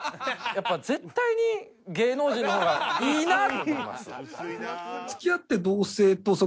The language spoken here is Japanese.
やっぱ絶対に芸能人の方がいいなと思います。